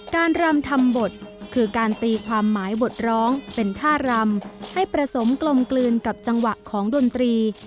รำทำบทคือการตีความหมายบทร้องเป็นท่ารำให้ผสมกลมกลืนกับจังหวะของดนตรี